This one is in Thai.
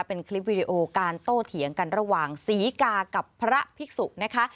เป็นคลิปวีดีโอการโต้เถียงกันระหว่างศรีกากับพระภิกษุนะคะ